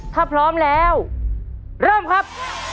ถ้าพร้อมแล้วเริ่มครับ